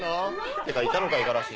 てかいたのか五十嵐。